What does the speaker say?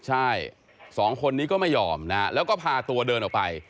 ใช่สองคนนี้ก็ไม่ยอมนะฮะแล้วก็พาตัวเดินออกไป